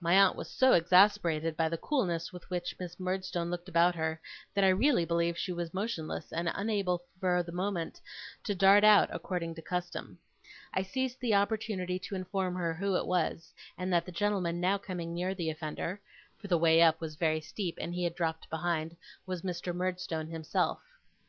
My aunt was so exasperated by the coolness with which Miss Murdstone looked about her, that I really believe she was motionless, and unable for the moment to dart out according to custom. I seized the opportunity to inform her who it was; and that the gentleman now coming near the offender (for the way up was very steep, and he had dropped behind), was Mr. Murdstone himself.